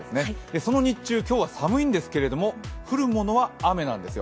その日中、今日は寒いんですけど降るものは雨なんですよ。